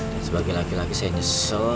dan sebagai laki laki saya nyesel